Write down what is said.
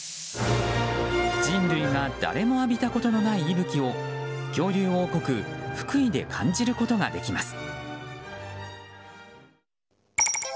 人類が誰も浴びたことのない息吹を恐竜王国・福井で感じることができます。